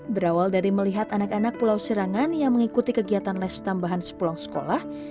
berawal dari melihat anak anak pulau serangan yang mengikuti kegiatan les tambahan sepulang sekolah